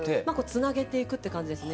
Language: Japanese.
つなげていくっていう感じですね。